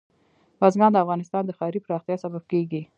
بزګان د افغانستان د ښاري پراختیا سبب کېږي.